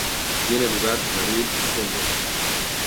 Tiene lugar en abril y junio.